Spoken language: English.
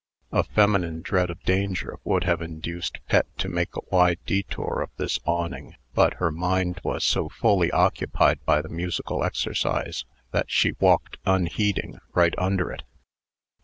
A feminine dread of danger would have induced Pet to make a wide detour of this awning; but her mind was so fully occupied by the musical exercise, that she walked, unheeding, right under it.